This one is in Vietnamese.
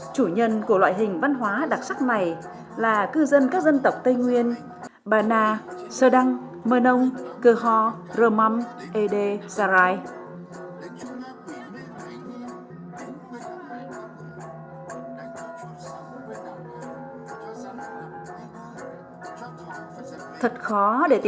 chủ nhân của loại hình văn hóa đặc sắc này là cư dân các dân tộc tây nguyên bà na sơ đăng mơ nông cơ hò rơ mâm ê đê gia rai